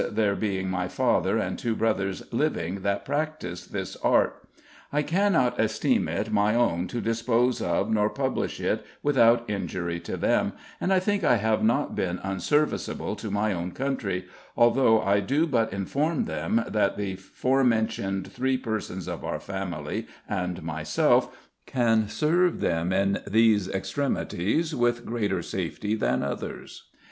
there being my father and two brothers living that practise this art, I cannot esteem it my own to dispose of nor publish it without injury to them, and I think I have not been unserviceable to my own country, although I do but inform them that the forementioned three persons of our family and myself can serve them in these extremities with greater safety than others."